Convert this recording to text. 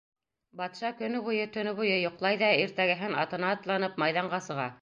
Батша көнө буйы, төнө буйы йоҡлай ҙа иртәгәһен атына атланып майҙанға сыға.